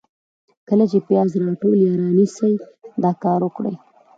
کله چي پیاز راټول یا رانیسئ ، دا کار وکړئ: